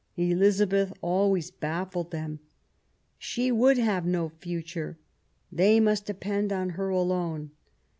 Elizabeth always baffled them. She would have no future ; they must depend on her alone.